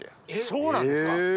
そうなんですか。